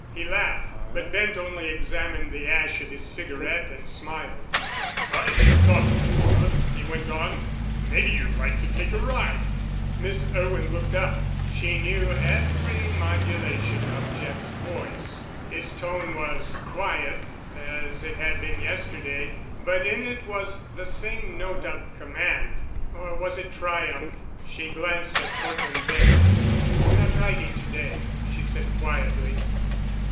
He laughed, but Bent only examined the ash of his cigarette and smiled. "I thought, Camilla," he went on, "maybe you'd like to take a ride——" Miss Irwin looked up. She knew every modulation of Jeff's voice. His tone was quiet—as it had been yesterday—but in it was the same note of command—or was it triumph? She glanced at Cortland Bent. "I'm not riding to day," she said quietly.